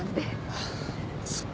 ああそっか。